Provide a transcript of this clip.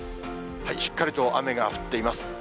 しっかりと雨が降っています。